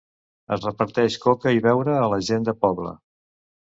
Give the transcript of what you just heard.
Es reparteix coca i beure a la gent de poble.